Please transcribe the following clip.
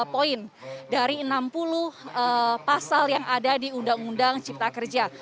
dua poin dari enam puluh pasal yang ada di undang undang cipta kerja